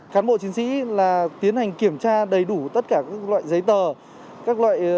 khán bộ chiến sĩ là tiến hành kiểm tra đầy đủ tất cả các loại giấy tờ